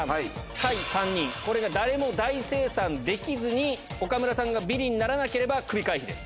下位３人、これが誰も大精算できずに、岡村さんがビリにならなければ、クビ回避です。